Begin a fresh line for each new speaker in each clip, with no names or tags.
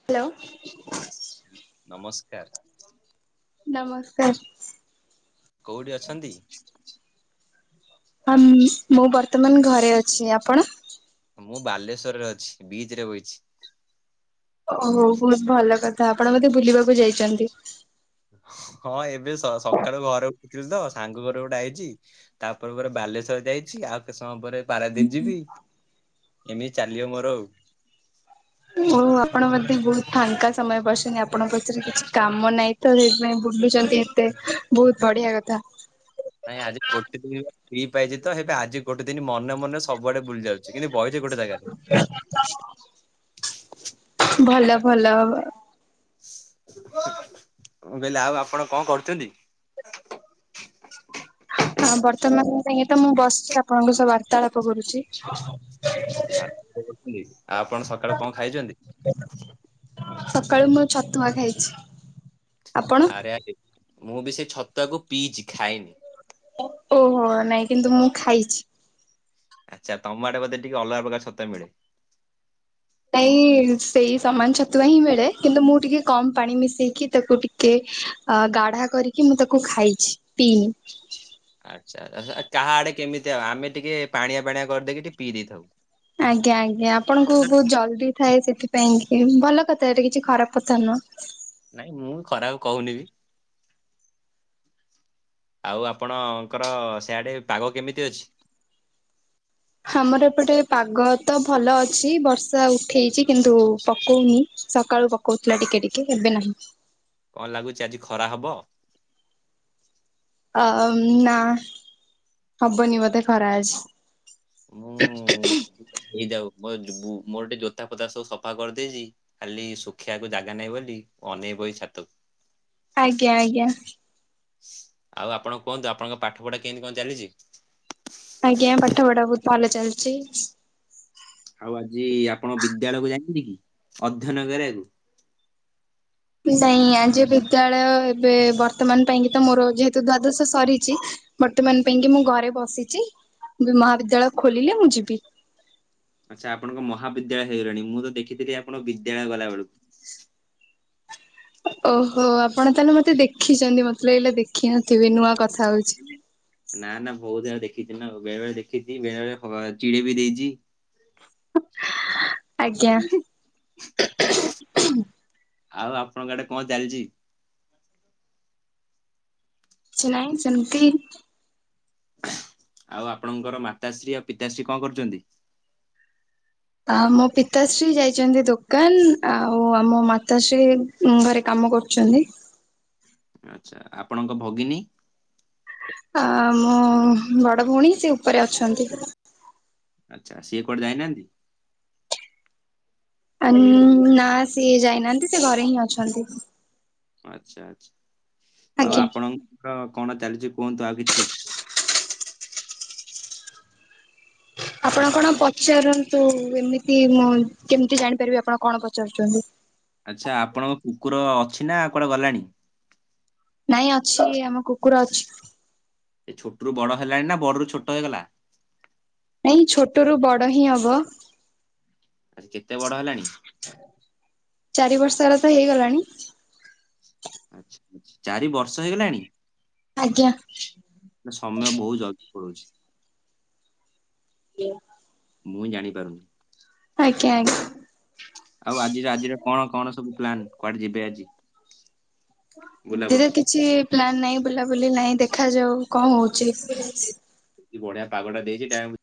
Hello.
ହୁଁ ନମସ୍କାର।
ନମସ୍କାର।
କୋଉଠି ଅଛନ୍ତି?
ଆମ ମୁଁ ବର୍ତ୍ତମାନ ଘରେ ଅଛି ଆପଣ?
ମୁଁ ବାଲେଶ୍ୱର ରେ ଅଛି ବିଚ ରେ ବଇଚି।
ଓହୋ ବହୁତ ଭଲ କଥା ଆପଣ ବୋଧେ ବୁଲିବାକୁ ଯାଇଚନ୍ତି?
ହଁ ଏବେ ସ ସକାଳୁ ଘରେ ଉଠିଥିଲି ତ ସାଙ୍ଗ ଘର ଗୋଟେ ଆଇଚି ତାପରେ ପରେ ବାଲେଶ୍ଵର ଯାଇଛି ଆଉ କେତେ ସମୟ ପରେ ପାରାଦୀପ ଯିବି। ଏମିତି ଚାଲିଅ ମୋର ଆଉ।
ଓ ଆପଣ ବୋଧେ ବହୁତ ଫାଙ୍କା ସମୟ ପାସଛନ୍ତି ଆପଣଙ୍କ କତିରେ କିଛି କାମ ନାହିଁ ତ ସେଇଥିପାଇଁ ବୁଲୁଚନ୍ତି ଏ ତେ ବହୁତ ବଢିଆ କଥା।
ନାଇଁ ଆଜି ଗୋଟେ ଦିନ ଫ୍ରି ପାଇଚି ତ ହେଟା ଆଜି ଗୋଟେ ଦିନ ମନେ ମନେ ସବୁଆଡେ ବୁଲି ଯାଉଚି ସେ କିନ୍ତୀ ବଇଚି ଗୋଟେ ଜାଗାରେ।
[unintelligible] ଭଲ ଭଲ ଅ ଅ
ମୁଁ କଇଲି ଆଉ ଆପଣ କଣ କରୁଚନ୍ତି?
ହଁ ବର୍ତ୍ତମାନ ପାଇଁ ତ ମୁଁ ବସିଛି ଆପଣଙ୍କ ସହ ବାର୍ତାଳାପ କରୁଚି।
ବାପ କରୁଛନ୍ତି ଆଉ ଆପଣ ସକାଳୁ କଣ ଖାଇଛନ୍ତି?
ସକାଳୁ ମୁଁ ଛତୁଆ ଖାଇଛି। ଆପଣ?
ଆରେ ଆରେ ମୁଁ ବି ସେଇ ଛତୁଆକୁ ପିଇଚି ଖାଇନି।
ଓହୋ ନାଇଁ କିନ୍ତୁ ମୁଁ ଖାଇଛି।
ଆଚ୍ଛା ତମ ଆଡ଼େ ବୋଧେ ଟିକେ ଅଲଗା ପ୍ରକାର ଛତୁଆ ମିଳେ।
ନାଇଁ ସେଇ ସମାନ ଛତୁଆ ହିଁ ମିଳେ କିନ୍ତୁ ମୁଁ ଟିକେ କମ ପାଣି ମିଶେଇକି ତାକୁ ଟିକେ କେ ଗାଢା କରିକି ମୁଁ ତାକୁ ଖାଇଛି ପିଇନି।
ଆଚ୍ଛା କା ଆଡେ କେମିତି ଆଉ ଆମେ ଟିକେ ପାଣିଆ ପାଣିଆ କରିଦେଇକି ଟିକେ ପିଇ ଦେଇଥାଉ।
ଆଜ୍ଞା ଆଜ୍ଞା ଆପଣଙ୍କୁ ବହୁତ ଜଲଦି ଥାଏ ସେଥିପାଇଁ କି ଭଲ କଥା ଏଇଟା କିଛି ଖରାପ କଥା ନୁହଁ।
ନାଇଁ ମୁଁ ବି ଖରାକୁ କହୁନି ବି ଆଉ ଆପଣଙ୍କର ସେଆଡ଼େ ପାଗ କେମିତି ଅଛି?
ଆମର ଏପଟେ ପାଗ ତ ଭଲ ଅଛି ବର୍ଷା ଉଠେଇଚି କିନ୍ତୁ ପକଉନି ସକାଳୁ ପ କଉଥିଲା ଟିକେ ଟିକେ ଏବେ ନାହିଁ।
କଣ୍ ଲାଗୁଚି ଆଜି ଖରା ହବ?
ଅ-ନା ହବନି ବଧେ ଖରା ଆଜ୍
ମୁଁ ହେଇଯାଉ ମୋର୍-ଜୋ-ବୁ- ମୋର୍ ଗୋଟେ ଜୋତା ଫୋତା ସବୁ ସଫା କରିଦେଇଚି। ଖାଲି ଶୁଖେଇବାକୁ ଜାଗା ନାହିଁ ବୋଲି ଅନେଇ ବଇଚି ଛାତକୁ।
ଆଜ୍ଞା -ଆଜ୍ଞା।
ଆଉ ଆପଣ କୁହନ୍ତୁ ଆପଣଙ୍କ ପାଠ ପଢା କେମିତି କଣ ଚାଲିଚି?
ଆଜ୍ଞା ପାଠ ପଢା ବହୁତ୍ ଭଲ ଚାଲିଚି।
ଆଉ ଆଜି ଆପଣ ବିଦ୍ୟାଳୟକୁ ଯାଇ ନାହାନ୍ତି କି ଅଧ୍ୟୟନ କରିବାକୁ?
ନାଇଁ ଆଜି ବିଦ୍ୟାଳୟ ଏବେ ବର୍ତ୍ତମାନ ପାଇଁ କି ତ ମୋର ଯେହେତୁ ଦ୍ଵାଦଶ ସରିଚି ବର୍ତ୍ତମାନ ପାଇଁ କି ମୁଁ ଘରେ ବସିଚି ମହାବିଦ୍ୟାଳୟ ଖୋଲିଲେ ମୁଁ ଯିବି।
ଆଚ୍ଛା ଆପଣଙ୍କ ମହାବିଦ୍ୟାଳୟ ହେଇଗଲାଣି ମୁଁ ତ ଦେଖିଥିଲି ଆପଣ ବିଦ୍ୟାଳୟ ଗଲା ବେଳକୁ।
ଓହୋ ଆପଣ ତାହେଲେ ମତେ ଦେଖିଚନ୍ତି ମତେ ଲାଗିଲା ଦେଖି ନଥିବେ ନୂଆ କଥା ହଉଚି।
ନା ନା ବହୁତ୍ [unintelligible] ଦେଖିଚି ନା ବେଳେ ବଳେ ଦେଖିଚି ବେଳେ ବଳେ ଚିଡି ବି ଦେଇଚି।
ଆଜ୍ଞା।
ଆଉ ଆପଣଙ୍କ ଆଡେ କଣ ଚାଲିଚି?
କିଛି ନାଇଁ ସେମିତି
ଆଉ ଆପଣଙ୍କର ମାତାଶ୍ରୀ ଆଉ ପିତାଶ୍ରୀ କଣ କରୁଚନ୍ତି?
ଆ- ମୋ ପିତାଶ୍ରୀ ଯାଇଚନ୍ତି ଦୋକାନ୍ ଆଉ ଆମ ମାତାଶ୍ରୀ ଉଁ- ଘରେ କାମ କରୁଚନ୍ତି।
ଆଚ୍ଛା ଆପଣଙ୍କ ଭଗିନୀ?
ଆ- ମୋ ବଡ ଭଉଣୀ ସେ ଉପରେ ଅଛନ୍ତି।
ଆଚ୍ଛା ସିଏ କୁଆଡେ ଯାଇନାହାନ୍ତି?
ଆନ୍- ନା ସିଏ ଯାଇନାହାନ୍ତି ସେ ଘରେ ହିଁ ଅଛନ୍ତି।
ଆଚ୍ଛା ଆଚ୍ଛା ଆଉ
ଆଜ୍ଞା।
ଆପଣଙ୍କ କଣ ଚାଲିଚି କୁହନ୍ତୁ ଆଉ କିଛି।
ଆପଣ କଣ ପଚାରୁନ୍ ନ୍ତୁ ଏମିତି ମୁଁ କେମିତି ଜାଣିପାରିବି ଆପଣ କଣ ପଚାରୁଚନ୍ତି।
ଆଚ୍ଛା ଆପଣଙ୍କ କୁକୁର ଅଛି ନା କୁଆଡେ ଗଲାଣି?
ନାଇଁ ଅଛି ଆମ କୁକୁର ଅଛି।
ଏ ଛୋଟରୁ ବଡ ହେଲାଣି ନା ବଡରୁ ଛୋଟ ହେଇଗଲା?
ନାଇଁ ଛୋଟ ରୁ ବଡ ହିଁ ହବ।
ଆ- ସେ କେତେ ବଡ ହେଲାଣି?
ଚାରି ବର୍ଷର ତ ହେଇଗଲାଣି।
ଆଚ୍ଛା-ଆଚ୍ଛା ଚାରି ବର୍ଷ ହେଇଗଲାଣି?
ଆଜ୍ଞା।
ନା ସମୟ ବହୁତ୍ ଜଲ୍ଦି ପଳଉଚି।
[inaudible]
ମୁଁ ଜାଣିପାରୁନି।
ଆଜ୍ଞା-ଆଜ୍ଞା।
ଆଉ ଆଜିର ଆଜିର କଣ କଣ ସବୁ ପ୍ଲାନ୍ କୁଆଡେ ଯିବେ ଆଜି?
ଏମିତି ରେ
ବୁଲାବୁଲି
କିଛି ପ୍ଲାନ୍ ନାଇଁ ବୁଲାବୁଲି ନାଇଁ ଦେଖାଯାଉ କଣ ହଉଚି।
ବଢିଆ ପାଗଟା ଦେଇଚି [unintelligible]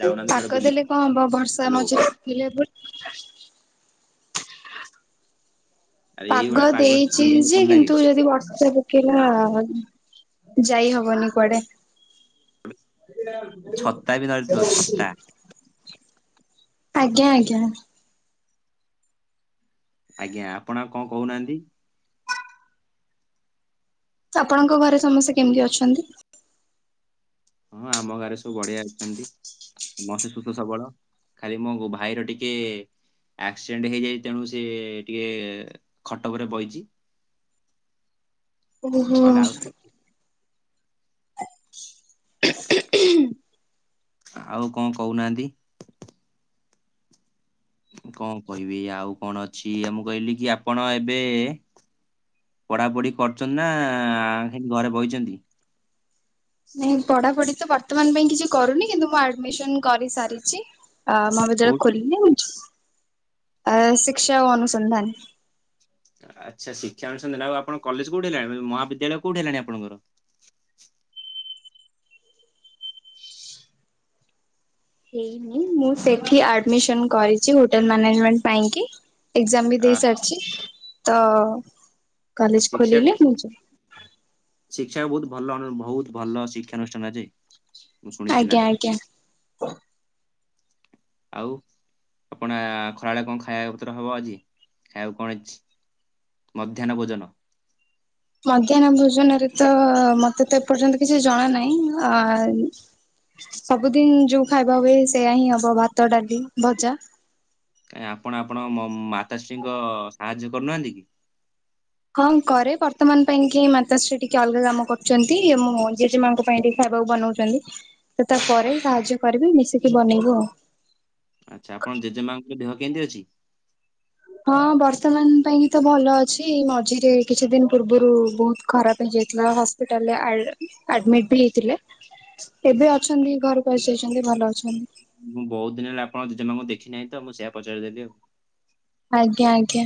ଯାଉନାହାନ୍ତି କୁଆଡେ
ପାଗ
ବୁଲି
ଦେଲେ କଣ ହବ ବର୍ଷା
ହ୍ୟାଲୋ
ମଝିରେ ଥିଲେ [unintelligible]
ଆରେ
ପାଗ
ଏଇଭଳିଆ ପାଗରେ
ଦେଇଚି
ବୁଲିବାକୁ
ଯେ
ଭଲ ଲାଗେ
କିନ୍ତୁ ଯଦି ବର୍ଷା କି ନାଁ ଯାଇ ହବନି କୁଆଡେ?
ଛତା ବି ଧରିଥିବ ଛତା
[unintelligible] ଆଜ୍ଞା, ଆଜ୍ଞା।
ଆଜ୍ଞା ଆପଣ ଆଉ କଣ କହୁନାହାନ୍ତି?
ଆପଣଙ୍କ ଘରେ ସମସ୍ତେ କେମିତି ଅଛନ୍ତି?
ହଁ ଆମ ଗାଁରେ ସବୁ ବଢ଼ିଆ ଅଛନ୍ତି। ସମସ୍ତେ ସୁସ୍ଥ ସବଳ, ଖାଲି ମୋ ଗୋ ଭାଇର ଟିକେ ଆକ୍ସିଡେଣ୍ଟ ହେଇଯାଇଛି ତେଣୁ ସେ ଟିକେ ଖଟ ଉପରେ ବଇଚି।
ଓହୋ।
ନହେଲେ ଆଉ
[inaudible]
ଆଉ କଣ କହୁନାହାନ୍ତି? କଣ କହିବି ଆଉ କଣ ଅଛି ଆ ମୁଁ କହିଲି କି ଆପଣ ଏବେ ପଢ଼ାପଢି କରୁଛନ୍ତି ନା [unintelligible] ଘରେ ବଇଚନ୍ତି।
ନାଇଁ ପଢ଼ାପଢି ତ ବର୍ତ୍ତମାନ ପାଇଁ କିଛି କରୁନି କିନ୍ତୁ ମୁଁ ଆଡ଼ମିସନ କରିସାରିଚି, ଆ [unintelligible] ଜଳ
କୋଉଠି
ଖୋଲିଲି, ଆ ଶିକ୍ସା ଓ ଅନୁସନ୍ଧାନ।
ଆଚ୍ଛା ଶିକ୍ଷାନୁଷ୍ଟାନ [unintelligible] ଆଉ ଆପଣ କଲେଜ୍ କୋଉଠି ଅଇଲା ଏବେ ଯୋଉ ମହାବଦ୍ୟାଳୟ କୋଉଠି ହେଲାଣି ଆପଣଙ୍କର?
ହେଇନି ମୁଁ ସେଠି ଆଡ଼ମିସନ କରିଛି ହୋଟେଲ୍ ମ୍ୟାନେଜମେଣ୍ଟ ପାଇଁକି। ଏକ୍ଜାମ୍ ବି
ଆ
ଦେଇସାରିଛି ତ କଲେଜ୍ ଖୋଲିଲେ ମୁଁ ଯିବି।
ଶିଖିବାକୁ ବହୁତ ଭଲ ଅନୁ ବହୁତ ଭଲ ଶିକ୍ଷାନୁଷ୍ଠାନ ଯେ, ମୁଁ ଶୁଣିଛି ନାଁ।
ଆଜ୍ଞା ଆଜ୍ଞା। [inaudible]
ଆଉ? ଆପଣ ଆ ଖରାବେଳେ କଣ ଖାଇବା ପତ୍ର ହବ ଆଜି, ଖାଇବାକୁ କଣ ଅଛି? ମଧ୍ୟାହ୍ନ ଭୋଜନ?
ମଧ୍ୟାହ୍ନ ଭୋଜନରେ ତ ମତେ ତ ଏପର୍ଯ୍ୟନ୍ତ କିଛି ଜଣାନାଇଁ, ଆ ସବୁଦିନ ଯୋଉ ଖାଇବା ହୁଏ ସେଇୟା ହିଁ ହବ ଭାତ, ଡ଼ାଲି, ଭଜା।
କାଇଁ ଆପଣ ଆପଣ ମ ମାତାଶ୍ରୀଙ୍କ ସାହାଯ୍ୟ କରୁନାହାନ୍ତି କି?
ହଁ କରେ ବର୍ତ୍ତମାନ ପାଇଁ କି ମାତାଶ୍ରୀ ଟିକେ ଅଲଗା କାମ କରୁଚନ୍ତି, ମୁଁ ଜେଜେମାଙ୍କ ପାଇଁ ଟିକେ ଖାଇବାକୁ ବନଉ ଚନ୍ତି, ତ ତାପରେ ବି ସାହାଯ୍ୟ କରିବି ମିଶିକି ବନେଇବୁ ଆଉ।
ଆଚ୍ଛା ଆପଣଙ୍କ ଜେଜେମାଙ୍କ ଦେହ କେମିତି ଅଛି?
ହଁ ବର୍ତ୍ତମାନ ପାଇଁକି ତ ଭଲ ଅଛି ମଝିରେ କିଛି ଦିନ ପୂର୍ବରୁ ବହୁତ ଖରାପ ହେଇଯାଇଥିଲା, ହସ୍ ଟୋଟାଲ ଆର୍ଡ, ଆଡ଼ମିଟ୍ ବି ହେଇଥିଲେ। ଏବେ ଅଛନ୍ତି ଘରକୁ ଆସିଯାଇଛନ୍ତି ଭଲ ଅଛନ୍ତି।
ମୁ ବହୁତ ଦିନି ହେଲା ଆପଣଙ୍କ ଜେଜେମାଙ୍କୁ ଦେଖିନାହିଁ ତ ମୁଁ ସେୟା ପଚାରିଦେଲି ଆଉ।
ଆଜ୍ଞା, ଆଜ୍ଞା।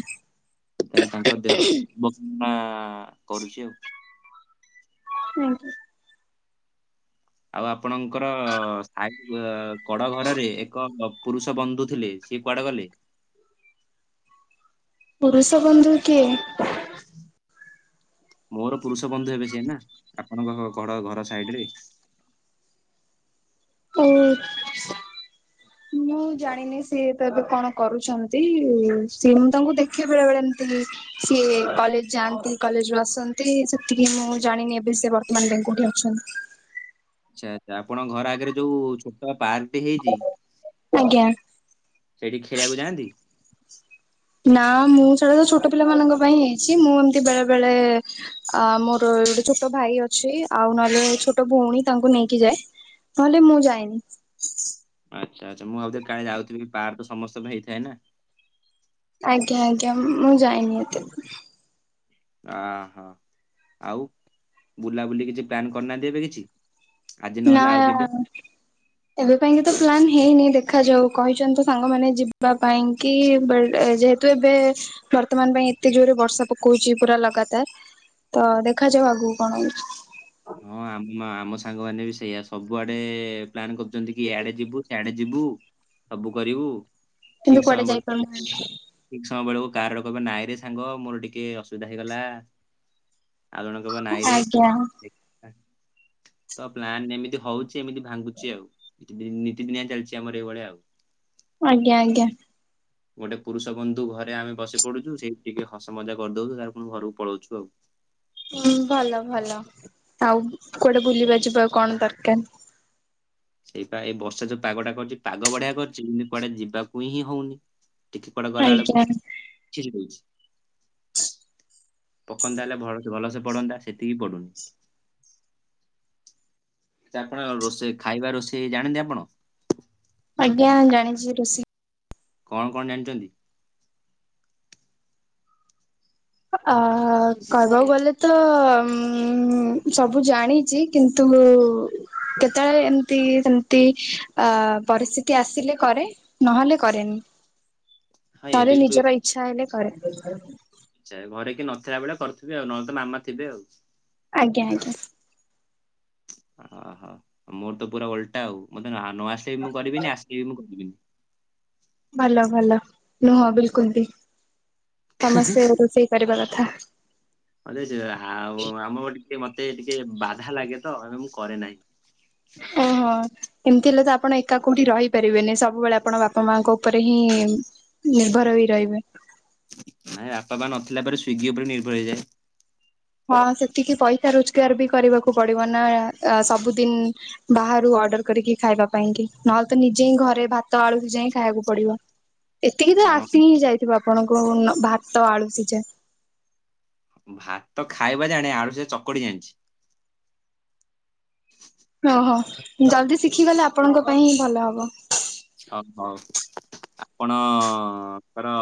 ତାହେଲେ ତାଙ୍କ ଦେହ [unintelligible] କରୁଛି ଆଉ।
ଆଜ୍ଞା।
ଆଉ ଆପଣଙ୍କର ସାଇ ଅ କଡ଼ ଘରରେ ଏକ ପୁରୁଷ ବନ୍ଧୁ ଥିଲେ ସିଏ କୁଆଡେ ଗଲେ?
ପୁରୁଷ ବନ୍ଧୁ କିଏ?
ମୋର ପୁରୁଷ ବନ୍ଧୁ ହେବେ ସିଏ ନା, ଆପଣଙ୍କ ଘ କଡ଼ ଘର ସାଇଡ଼ରେ
ଓ, ମୁଁ ମୁଁ ଜାଣିନି ସିଏତ ଏବେ କଣ କରୁଛନ୍ତି, ସିଏ ମୁଁ ତାଙ୍କୁ ଦେଖେ ବେଳେ ବେଳେ ଏମିତି। ସିଏ କଲେଜ୍ ଯାଆନ୍ତି କଲେଜରୁ ଆସନ୍ତି ସେତିକି ମୁଁ ଜାଣିନି ଏବେ ସେ ବର୍ତ୍ତମାନ ପାଇଁ କୋଉଠି ଅଛନ୍ତି?
ଆଚ୍ଛା, ଆଚ୍ଛା, ଆପଣଙ୍କ ଘର ଆଗରେ ଯୋଉ ଛୋଟ ପାର୍କଟି ହେଇଚି
ଆଜ୍ଞା।
ସେଇଠି ଖେଳିବାକୁ ଯାଆନ୍ତି?
ନା ମୁଁ ସେଡା ତ ଛୋଟ ପିଲାମାନଙ୍କ ପାଇଁ ହେଇଛି ମୁଁ ଏମତି ବେଳେ ବେଳେ ଆ ମୋର ଗୋଟେ ଛୋଟ ଭାଇ ଅଛି ଆଉ ନହେଲେ ଛୋଟ ଭଉଣୀ ତାଙ୍କୁ ନେଇକି ଯାଏ। ନହେଲେ ମୁଁ ଯାଇନି।
ଆଚ୍ଛା ଆଚ୍ଛା ମୁଁ ଭାବଥିଲି କାଳେ ଯାଉଥିଵ୍ ପାର ତ ସମସ୍ତଙ୍କ ପାଇଁ ହେଇଥାଏ ନା।
ଆଜ୍ଞା ଆଜ୍ଞା ମୁଁ ଯାଏନି ଏତେ।
ଆ ହୋ ଆଉ ବୁଲାବୁଲି କିଛି ପ୍ଲାନ୍ କରିନାହାନ୍ତି ଏବେ କିଛି। ଆଜି
ନା
ନହେଲେ ଆଉ କେବେ?
ଏବେ ପାଇଁ କି ତ ପ୍ଲାନ୍ ହେଇନି ଦେଖାଯାଉ କହିଛନ୍ତି ତ ସାଙ୍ଗମାନେ ଯିବା ପାଇଁ କି ଯେ। ତ ଏବେ ବର୍ତ୍ତମାନ ପାଇଁ ଏତେ ଜୋରରେ ବର୍ଷା ପକଉଛି ପୁରା ଲଗାତାର। ତ ଦେଖାଯାଉ ଆଗକୁ କଣ ହଉଛି।
ହଁ ଆମ ଆମ ସାଙ୍ଗମାନେ ବି ସେଇଆ ସବୁଆଡେ ପ୍ଲାନ୍ କରୁଛନ୍ତି କି ଡେ ଯିବୁ ସେଆଡେ ଯିବୁ ସବୁ କରିବୁ ଠିକ
କିନ୍ତୁ କୁଆଡେ
ସମୟ
ଯାଇପାରୁନ
ଠିକ ସମୟବେଳକୁ କାର କହେ ନାଇଁ ରେ ସାଙ୍ଗ ମୋର ଟିକେ ଅସୁବିଧା ହେଇଗଲା। ଆଉ ଜଣେ କହିବ ନାହିଁରେ
ଜ୍ଞା।
ହ। ତ ପ୍ଲାନ୍ ଏମିତି ହଉଛି ଏମିତି ଭାଙ୍ଗୁଛି ଆଉ ନି ନିତିଦିନିଆ ଚାଲିଛି ଆମର ଏଇଭଳିଆ ଆଉ।
ଆଜ୍ଞା ଆଜ୍ଞା।
ଗୋଟେ ପୁରୁଷ ବନ୍ଧୁ ଘରେ ଆମେ ବସି ପଡୁଛୁ ସେଇ ଟିକେ ହସ ମଜା କରିଦଉଛୁ ତାର ପୁଣି ଘରକୁ ପଳଉଛୁ ଆଉ।
ହୁଁ ଭଲ ଭଲ ଆଉ କୁଆଡେ ବୁଲିବା ଯିବା ଆଉ କଣ ଦରକାର।
ସେଇପା ଏଇ ବର୍ଷା ଯୋଉ ପାଗଟା କରିଛି ପାଗ ବଢିଆ କରିଛି ଏଇି କୁଆଡେ ଯିବାକୁ ହିଁ ହଉନି। ଟିକେ କୁଆଡେ ଗଲା ବେଳକୁ
ଆଜ୍ଞା
[unintelligible] ପକନ୍ତା ହେଲେ ଭଲସେ ପଡନ୍ତା ସେତିକି ପଡୁନି। ଆପଣ ରୋଷେଇ ଖାଇବା ରୋଷେଇ ଜାଣନ୍ତି ଆପଣ?
ଆଜ୍ଞା
ଖା-
ଜାଣିଛି ରୋଷେଇ।
କଣ କଣ ଜାଣିଛନ୍ତି?
ଆ କହିବାକୁ ଗଲେ ତ ଉ ସବୁ ଜାଣିଛି। କିନ୍ତୁ କେତେବେଳେ ଏମିତି ସେମିତି ପରିସ୍ଥିତି ଆସିଲେ କରେ। ନହେଲେ କରେନି
ହଁ ଏବେ
କରେ
ବି
ନିଜର ଇଚ୍ଛା ହେଲେ କରେ।
ଆଚ୍ଛା ଘରେ କେଇ ନଥିଲା ବଳେ କରଥିବେ ଆଉନହଲେ ତ ମାମା ଥିବେ ଆଉ।
ଆଜ୍ଞା ଆଜ୍ଞା।
ହଁ ହଁ ମୋର ତ ପୁରା ଓଲଟା ଆଉ ମୋତେ ନ ଆସିଲେ ବି ମୁଁ କରିବିନି ଆସିଲେ ବି ମୁଁ କରିବିନି।
ଭଲ ଭଲ ନୁହଁ ବିଲକୁଲ ବି ସମସ୍ତେ ରୋଷେଇ କରିବା କଥା।
[unintelligible] ଆଉ ଆମ ଗୋ ଟିକେ ମତେ ଟିକେ ବାଧା ଲାଗେ ତ ଆବେ ମୁଁ କରେ ନାହିଁ।
ଓହୋ। ହଁ ଏମିତି ହେଲେ ତ ଆପଣ ଏକା କୋଉଠି ରହିପାରିବେନି ସବୁବେଳେ ଆପଣ ବାପା ମାଙ୍କ ଉପରେ ହିଁ ନିର୍ଭର ହେଇ ରହିବେ।
ନାଇଁ ବାପା ପା ନଥିଲା ପରେ ସ୍ଵିଗି ଉପରେ ନିର୍ଭର ହେଇଯାଏ।
ହଁ ସେତିକି ପଇସା ରୋଜଗାର ବି କରିବାକୁ ପଡିବ ନା ସବୁଦିନ ବାହାରୁ ଅର୍ଡର କରିକି ଖାଇବା ପାଇଁ କିି ନହେଲେ ତ ନିଜେ ହିଁ ଘରେ ଭାତ ଆଳୁ ଯାଇ ହଁ ଖାଇବାକୁ ପଡିବ। ଏତିକି ତ
ହଁ
ଆସି ହିଁ ଯାଇଥିବ ଆପଣଙ୍କୁ ଭାତ ଆଳୁ ସିଝା।
ଭାତ ଖାଇବା ଜାଣେ ଆଳୁ ସିଝା ଚକଡି ଜାଣିଛି।
ଓହୋ ଜଲ୍ଦି ଶିଖିଗଲେ ଆପଣଙ୍କ ପାଇଁ ହିଁ ଭଲ ହବ।
[unintelligible] ହଉ ଆପଣଙ୍କ ର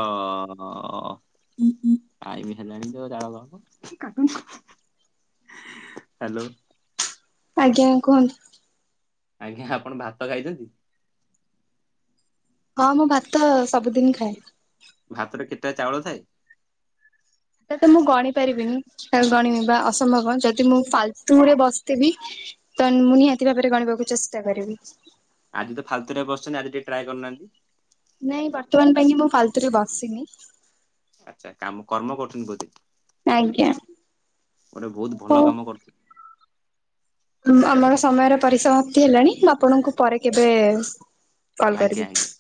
ଟାଇମି ହେଲାଣି ତ ଜାଳ ଆଉ କାଟୁନ। ହାଲୋ।
ଆଜ୍ଞା କୁହନ୍ତୁ।
ଆଜ୍ଞା ଆପଣ ଭାତ ଖାଇଛନ୍ତି?
ହଁ ମୁଁ ଭାତ ସବୁଦିନ ଖାଏ।
ଭାତରେ କେତେଟା ଚାଉଳ ଥାଏ?
ତା ତ ମୁଁ ଗଣି ପାରିବିନି। ଗଣିବି ବା ଅସମ୍ଭବଣ ଯଦି ମୁଁ ଫାଲତୁ ରେ ବସିଥିବି ତ ମୁଁ ନିହାତି ଭାବରେ ଗଣିବାକୁ ଚେଷ୍ଟା କରିବି।
ଆଜି ତ ଫାଲତରେ ବସିଛନ୍ତି ଆଜି ଟିକେ ଟ୍ରାଏ କରିନାହାନ୍ତି।
ନାଇଁ ବର୍ତ୍ତମାନ ପାଇଁ କି ମୁଁ ଫାଲତୁରେ ବସିନି।
ଆଚ୍ଛା କାମ କର୍ମ କରୁଛନ୍ତି ବୋଧେ,
ଆଜ୍ଞା।
ଗୋଟେ ବହୁତ ଭଲ କାମ କରୁଛି।
ଅଲଗା ସମୟର ପରିସମାପ୍ତି ହେଲାଣି, ମୁଁ ଆପଣଙ୍କୁ ପରେ କେବେ କଲ୍
ଆଜ୍ଞା
କରିବି।
ଆଜ୍ଞା।